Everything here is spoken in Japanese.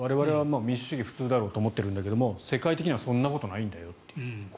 我々は民主主義普通だろうと思ってるんですが世界的にはそんなことはないと。